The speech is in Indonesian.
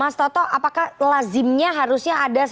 mas toto apakah lazimnya harusnya ada